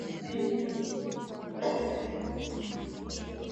yeyote ambaye angechochea vurugu nchini humo